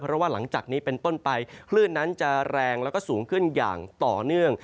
เพราะว่าหลังจากนี้เป็นต้นไปคลื่นนั้นจะแรงแล้วก็สูงขึ้นอย่างต่อเนื่อง